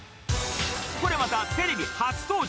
これまたテレビ初登場。